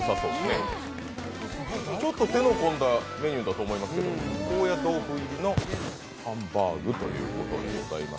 ちょっと手のこんだ目にだと思いますけど、高野豆腐入りの煮込みハンバーグということでございます。